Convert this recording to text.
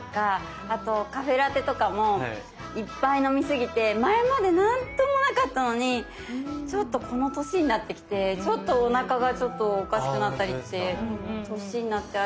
あとカフェラテとかもいっぱい飲み過ぎて前まで何ともなかったのにちょっとこの年になってきてちょっとおなかがちょっとおかしくなったりって年になってあるんです。